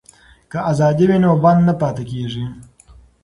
که ازادي وي نو بند نه پاتې کیږي.